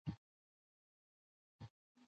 په پایله کې توکي ډېر لږ پلورل کېږي